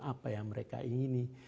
apa yang mereka ingini